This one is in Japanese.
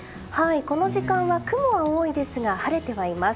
この時間は雲が多いですが晴れてはいます。